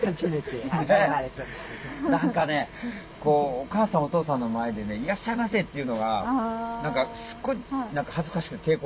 何かねお母さんお父さんの前でね「いらっしゃいませ」って言うのが何かすごい恥ずかしくて抵抗あったんですよ。